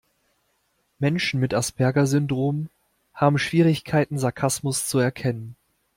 Menschen mit Asperger-Syndrom haben Schwierigkeiten, Sarkasmus zu erkennen.